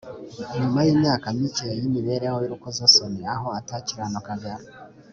nyuma y'imyaka mike y'imibereho y'urukozasoni aho atakiranukaga